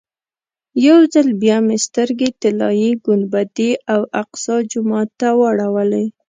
یو ځل بیا مې سترګې طلایي ګنبدې او اقصی جومات ته واړولې.